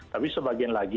tapi sebagian lagi